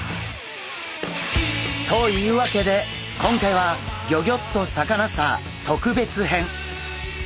というわけで今回は「ギョギョッとサカナ★スター」特別編。